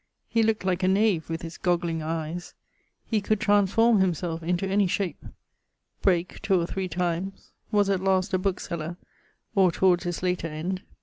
He looked like a knave with his gogling eies. He could transforme himselfe into shape. Brake 2 or 3 times. Was at last a bookeseller, or towards his later end.